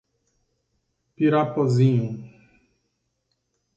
Pirapozinho